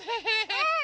うん！